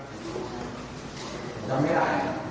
จำไม่ได้